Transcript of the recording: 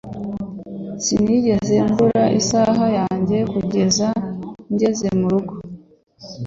Sinigeze mbura isaha yanjye kugeza ngeze murugo